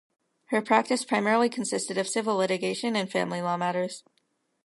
Her practice primarily consisted of civil litigation and family law matters.